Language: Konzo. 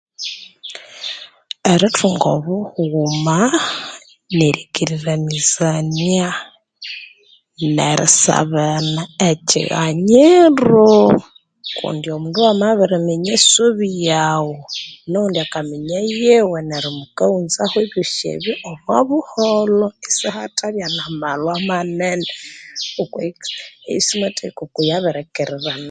Erithunga obughuma nerikirizania nerisaba ekighanyiro wamabiminya esobi yawu